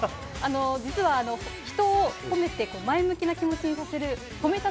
実は、人を褒めて前向きな気持ちにさせるほめ達！